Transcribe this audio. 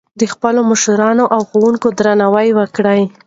د خپلو مشرانو او ښوونکو درناوی وکړئ.